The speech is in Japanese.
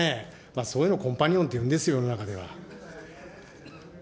そういうのコンパニオンっていうんですよ、世の中では。